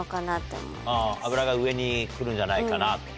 油が上に来るんじゃないかなと。